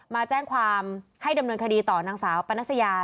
มาแจ้งความให้ดำเนินคดีต่อนางสาวปนัสยา